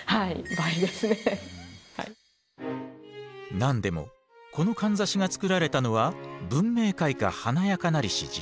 何でもこのかんざしが作られたのは文明開化華やかなりし時代。